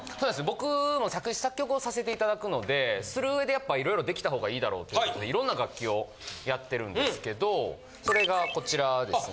僕も作詞作曲をさせて頂くのでする上でやっぱ色々できた方がいいだろうという事で色んな楽器をやってるんですけどそれがこちらですね。